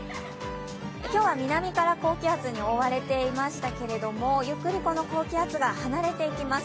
今日は南から高気圧に覆われていましたけれども、ゆっくりこの高気圧が離れていきます